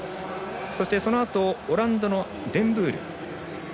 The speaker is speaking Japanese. そして、そのあとオランダのデンブール。